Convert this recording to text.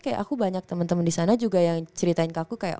kayak aku banyak temen temen disana juga yang ceritain ke aku kayak